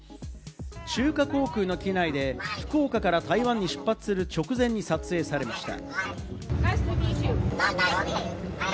中華航空の機内で、福岡から台湾に出発する直前に撮影されました。